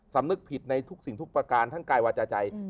สำนึกผิดในทุกสิ่งทุกประการทั้งกายวาจาใจ